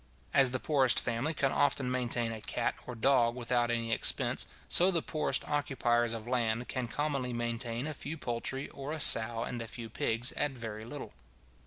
As the poorest family can often maintain a cat or a dog without any expense, so the poorest occupiers of land can commonly maintain a few poultry, or a sow and a few pigs, at very little.